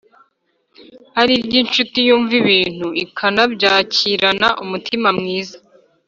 ari iry'incuti yumva ibintu ikanabyakirana umutima mwiza.